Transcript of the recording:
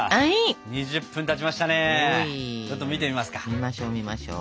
見ましょう見ましょう。